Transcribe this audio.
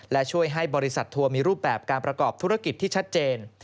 และช่วยให้บริษัททัวร์มีรูปแบบการประกอบธุรกิจที่ชัดเจน